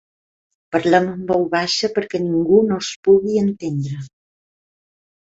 Parlem en veu baixa perquè ningú no ens pugui entendre.